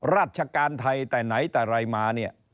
ราชการไทยแต่ไหนแต่ไรมาเนี่ย